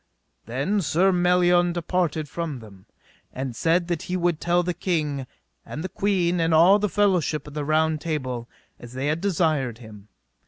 Then Sir Melion departed from them, and said that he would tell the king, and the queen, and all the fellowship of the Round Table, as they had desired him.